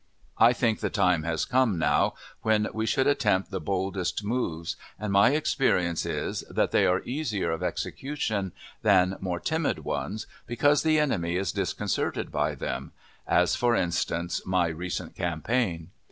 I think the time has come now when we should attempt the boldest moves, and my experience is, that they are easier of execution than more timid ones, because the enemy is disconcerted by them as, for instance, my recent campaign.